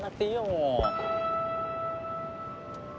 もう。